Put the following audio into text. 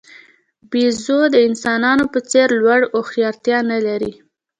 بیزو د انسانانو په څېر لوړې هوښیارتیا نه لري.